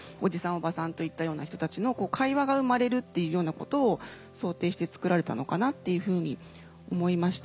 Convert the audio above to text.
おばさんといったような人たちの会話が生まれるっていうようなことを想定して作られたのかなっていうふうに思いました。